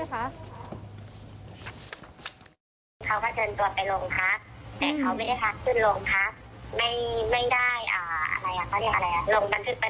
หรือการลงบันทึกประจำวันค่ะ